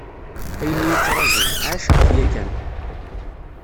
Ayen i y-ittrajun, ɛaceɣ-t yakan.